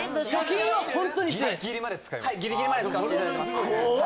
はいギリギリまで使わしていただいてます